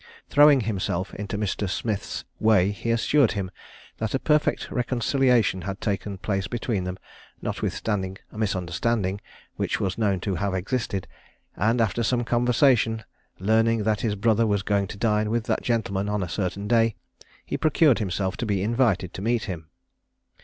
Throwing himself into Mr. Smith's way, he assured him that a perfect reconciliation had taken place between them, notwithstanding a misunderstanding which was known to have existed; and after some conversation, learning that his brother was going to dine with that gentleman on a certain day, he procured himself to be invited to meet him.